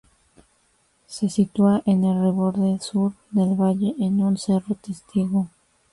Se sitúa en el reborde Sur del valle en un cerro testigo.